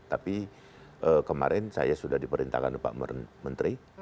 tapi kemarin saya sudah diperintahkan pak menteri